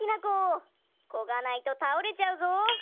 こがないとたおれちゃうぞ。